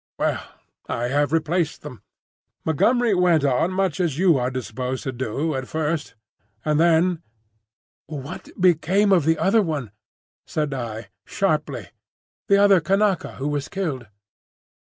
Well, I have replaced them. Montgomery went on much as you are disposed to do at first, and then— "What became of the other one?" said I, sharply,—"the other Kanaka who was killed?"